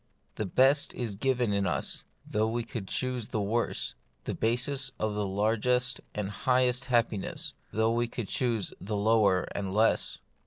The best is given us, though we would choose the worse : the basis of the largest and highest happiness, though we would choose the lower and the less.